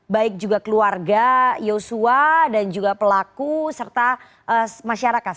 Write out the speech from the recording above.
baik juga keluarga yosua dan juga pelaku serta masyarakat